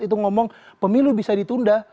itu ngomong pemilu bisa ditunda